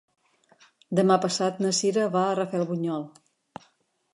Demà passat na Cira va a Rafelbunyol.